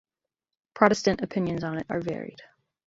Protestant opinions on it are varied.